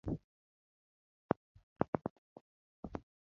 Asisi ne openjore kendo.